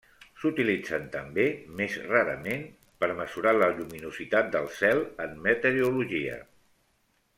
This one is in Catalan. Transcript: S'utilitzen també, més rarament, per mesurar la lluminositat del cel en meteorologia.